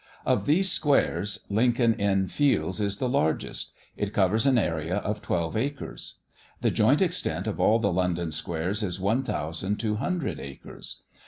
Of these squares, Lincoln's Inn Fields is the largest; it covers an area of twelve acres. The joint extent of all the London squares is one thousand two hundred acres.